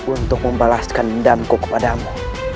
untuk membalaskan endamku kepadamu